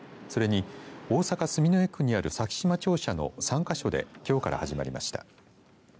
それに大阪、住之江区にある咲洲庁舎の３か所できょうから始まりました。